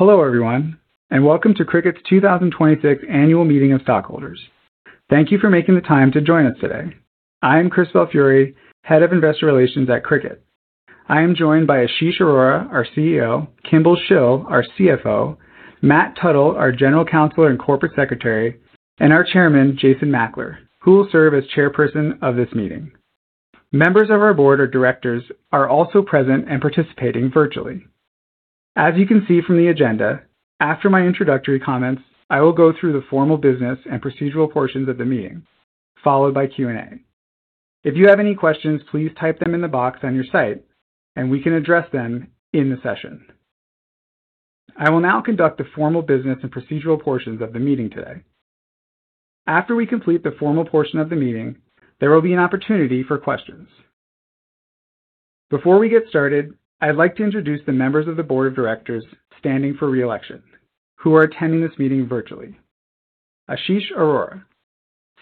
Hello, everyone, and welcome to Cricut's 2026 Annual Meeting of Stockholders. Thank you for making the time to join us today. I am Jim Suva, Head of Investor Relations at Cricut. I am joined by Ashish Arora, our CEO, Kimball Shill, our CFO, Matt Tuttle, our General Counsel and Corporate Secretary, and our Chairman, Jason Makler, who will serve as chairperson of this meeting. Members of our board of directors are also present and participating virtually. As you can see from the agenda, after my introductory comments, I will go through the formal business and procedural portions of the meeting, followed by Q&A. If you have any questions, please type them in the box on your site and we can address them in the session. I will now conduct the formal business and procedural portions of the meeting today. After we complete the formal portion of the meeting, there will be an opportunity for questions. Before we get started, I'd like to introduce the members of the board of directors standing for re-election, who are attending this meeting virtually. Ashish Arora,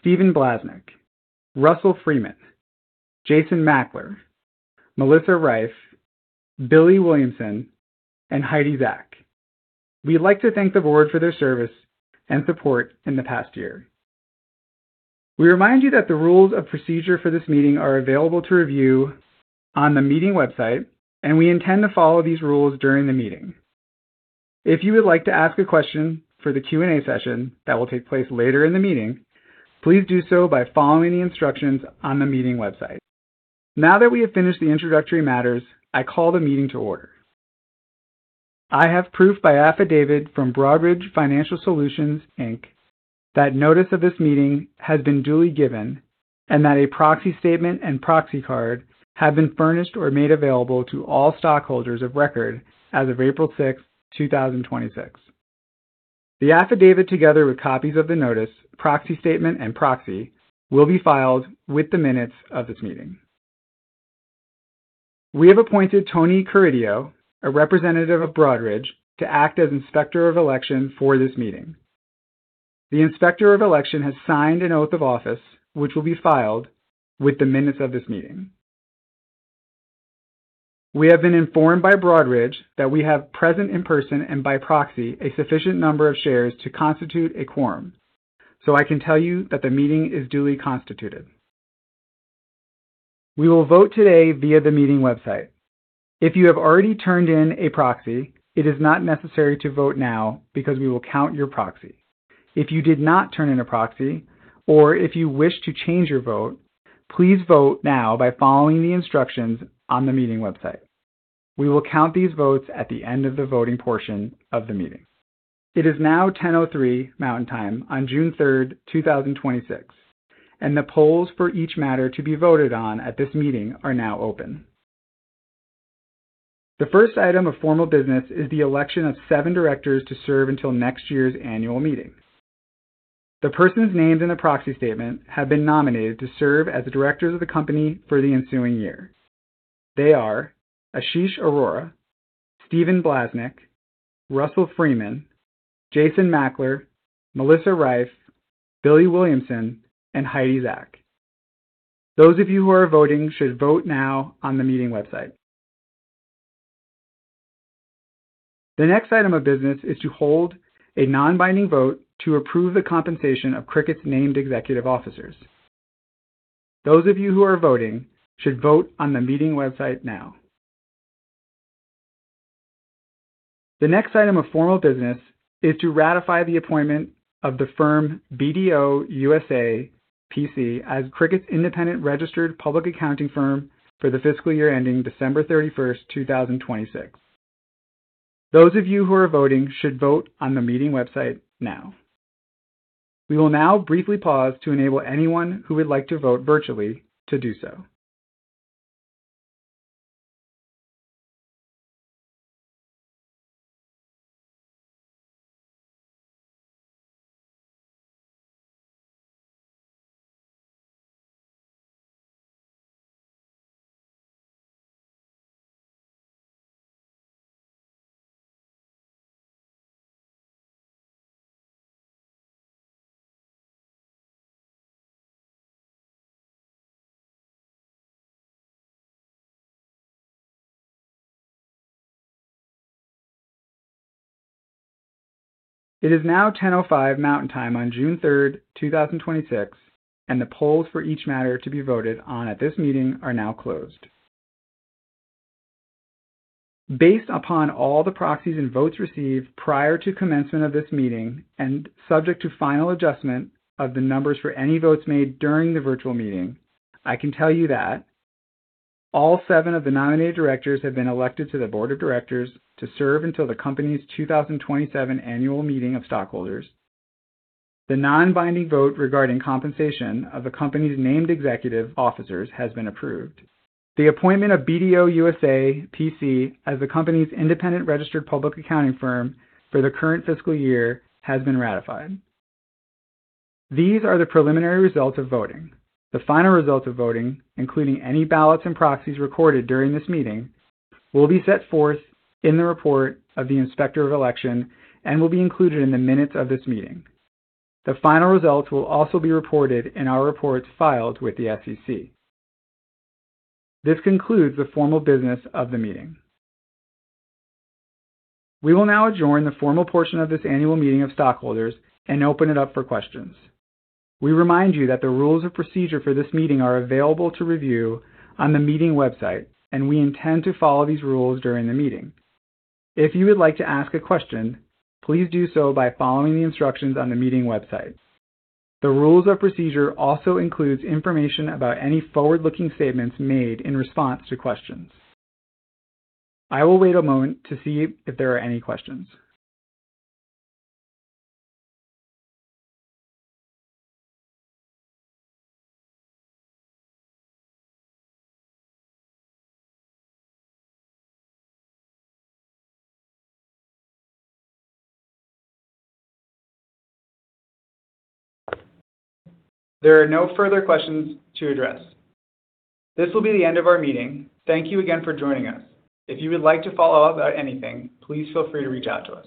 Steven Blasnik, Russell Freeman, Jason Makler, Melissa Reiff, Billie Williamson, and Heidi Zak. We'd like to thank the board for their service and support in the past year. We remind you that the rules of procedure for this meeting are available to review on the meeting website, and we intend to follow these rules during the meeting. If you would like to ask a question for the Q&A session that will take place later in the meeting, please do so by following the instructions on the meeting website. Now that we have finished the introductory matters, I call the meeting to order. I have proof by affidavit from Broadridge Financial Solutions, Inc., that notice of this meeting has been duly given and that a proxy statement and proxy card have been furnished or made available to all stockholders of record as of April 6, 2026. The affidavit, together with copies of the notice, proxy statement, and proxy, will be filed with the minutes of this meeting. We have appointed Tony Carideo, a representative of Broadridge, to act as Inspector of Election for this meeting. The Inspector of Election has signed an oath of office, which will be filed with the minutes of this meeting. We have been informed by Broadridge that we have present in person and by proxy a sufficient number of shares to constitute a quorum, so I can tell you that the meeting is duly constituted. We will vote today via the meeting website. If you have already turned in a proxy, it is not necessary to vote now because we will count your proxy. If you did not turn in a proxy or if you wish to change your vote, please vote now by following the instructions on the meeting website. We will count these votes at the end of the voting portion of the meeting. It is now 10:03 A.M. Mountain Time on June 3rd, 2026, and the polls for each matter to be voted on at this meeting are now open. The first item of formal business is the election of seven directors to serve until next year's annual meeting. The persons named in the proxy statement have been nominated to serve as the directors of the company for the ensuing year. They are Ashish Arora, Steven Blasnik, Russell Freeman, Jason Makler, Melissa Reiff, Billie Williamson, and Heidi Zak. Those of you who are voting should vote now on the meeting website. The next item of business is to hold a non-binding vote to approve the compensation of Cricut's named executive officers. Those of you who are voting should vote on the meeting website now. The next item of formal business is to ratify the appointment of the firm BDO USA, P.C. as Cricut's independent registered public accounting firm for the fiscal year ending December 31st, 2026. Those of you who are voting should vote on the meeting website now. We will now briefly pause to enable anyone who would like to vote virtually to do so. It is now 10:05 Mountain Time on June 3rd, 2026, and the polls for each matter to be voted on at this meeting are now closed. Based upon all the proxies and votes received prior to commencement of this meeting and subject to final adjustment of the numbers for any votes made during the virtual meeting, I can tell you that all seven of the nominated directors have been elected to the board of directors to serve until the company's 2027 annual meeting of stockholders. The non-binding vote regarding compensation of the company's named executive officers has been approved. The appointment of BDO USA, P.C. as the company's independent registered public accounting firm for the current fiscal year has been ratified. These are the preliminary results of voting. The final results of voting, including any ballots and proxies recorded during this meeting, will be set forth in the report of the Inspector of Election and will be included in the minutes of this meeting. The final results will also be reported in our reports filed with the SEC. This concludes the formal business of the meeting. We will now adjourn the formal portion of this annual meeting of stockholders and open it up for questions. We remind you that the rules of procedure for this meeting are available to review on the meeting website, and we intend to follow these rules during the meeting. If you would like to ask a question, please do so by following the instructions on the meeting website. The rules of procedure also includes information about any forward-looking statements made in response to questions. I will wait a moment to see if there are any questions. There are no further questions to address. This will be the end of our meeting. Thank you again for joining us. If you would like to follow up about anything, please feel free to reach out to us.